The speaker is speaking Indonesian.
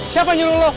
siapa nyuruh lu